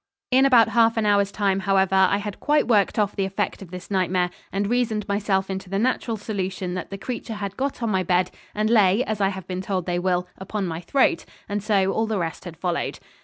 In about half an hour's time, however, I had quite worked off the effect of this night mare, and reasoned myself into the natural solution that the creature had got on my bed, and lay, as I have been told they will, upon my throat, and so, all the rest had followed.